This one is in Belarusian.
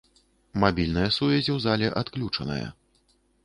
Мабільная сувязь у зале адключаная.